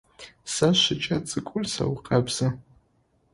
Сэ шыкӏэ цӏыкӏур сэукъэбзы.